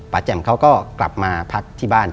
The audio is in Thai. แจ่มเขาก็กลับมาพักที่บ้าน